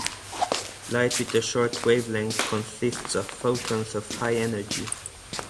Light with a short wavelength consists of photons of high energy.